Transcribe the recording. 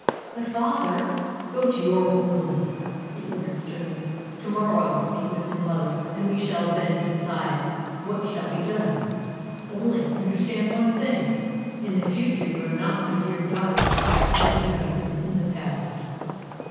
"But, father " "Go to your room," he ordered sternly. "Tomorrow I will speak with your mother, and we shall then decide what shall be done. Only, understand one thing: in the future you are not my dear daughter that you have been in the past.